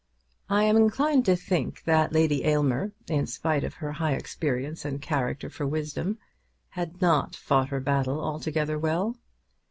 I am inclined to think that Lady Aylmer, in spite of her high experience and character for wisdom, had not fought her battle altogether well.